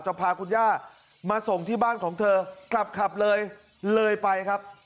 พาคุณย่ามาส่งที่บ้านของเธอกลับขับเลยเลยไปครับ